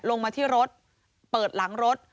ลงมาที่รถเปิดหลังรถ